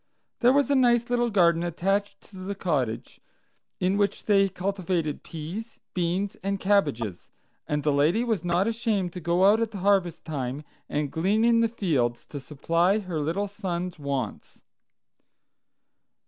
There was a nice little garden attached to the cottage, in which they cultivated peas, beans, and cabbages, and the lady was not ashamed to go out at harvest time and glean in the fields to supply her little son's wants.